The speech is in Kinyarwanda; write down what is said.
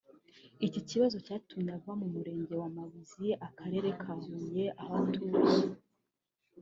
Iki kibazo cyatumye ava mu Murenge wa Mabzi Akarere ka Huye aho atuye